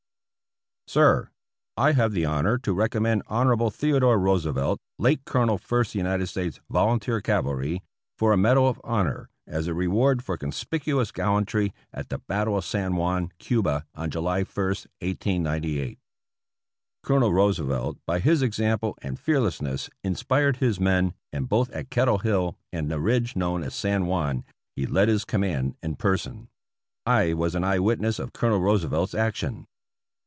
Sir: I have the honor to recommend Hon. Theodore Roosevelt, late Colonel First United States Volunteer Cav alry, for a medal of honor, as a reward for conspicuous gallantry at the battle of San Juan, Cuba, on July i, 1898. Colonel Roosevelt by his example and fearlessness in spired his men, and both at Kettle Hill and the ridge known as San Juan he led his command in person. I was an eye witness of Colonel Roosevelt's action.